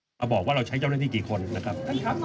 เราบอกว่าเราใช้เจ้าหน้าที่กี่คนนะครับ